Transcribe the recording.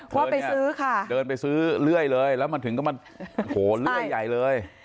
เคยไปซื้อค่ะเดินไปซื้อเรื่อยเลยแล้วมันถึงก็มันโหเลื่อยใหญ่เลย